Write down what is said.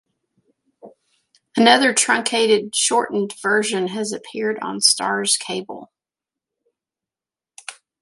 Another truncated (shortened) version has appeared on Starz cable.